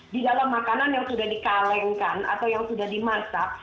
di dalam makanan yang sudah dikalengkan atau yang sudah dimasak